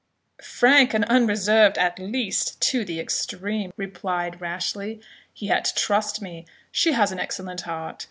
"Frank and unreserved, at least, to the extreme," replied Rashleigh: "yet, trust me, she has an excellent heart.